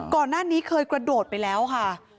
ก่อนหน้านี้เคยกระโดดไปแล้วค่ะ